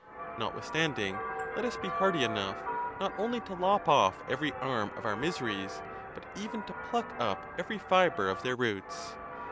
Notwithstanding, let us be hardy enough, not only to lop off every arm of our miseries, but even to pluck up every fibre of their roots.